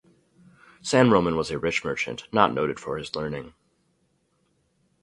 San Roman was a rich merchant not noted for his learning.